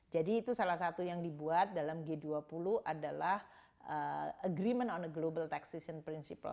jadi itu salah satu yang dibuat dalam g dua puluh adalah agreement on a global taxation principle